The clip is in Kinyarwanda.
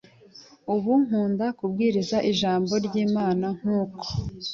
Ubu nkunda kubwiriza ijambo ry’Imana kuko